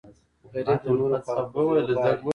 غریب د نورو خواخوږی غواړي